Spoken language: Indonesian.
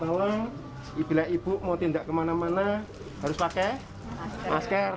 kami kapolsek bawang minta tolong bila ibu mau tindak kemana mana harus pakai masker